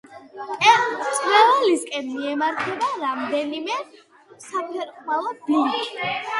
მწვერვალისკენ მიემართება რამდენიმე საფეხმავლო ბილიკი.